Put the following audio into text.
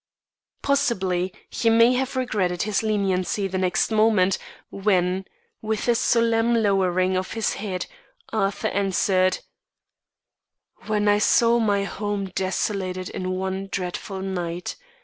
Possibly he may have regretted his leniency the next moment when, with a solemn lowering of his head, Arthur answered: "When I saw my home desolated in one dreadful night.